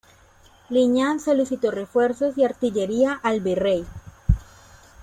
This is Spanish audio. Liñán solicitó refuerzos y artillería al virrey.